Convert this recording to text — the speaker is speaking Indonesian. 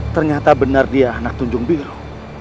ternyata benar dia anak tunjung biru